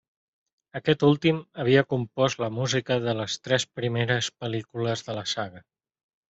Aquest últim havia compost la música de les tres primeres pel·lícules de la saga.